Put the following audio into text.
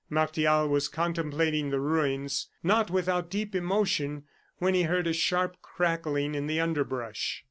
Martial was contemplating the ruins, not without deep emotion, when he heard a sharp crackling in the underbrush.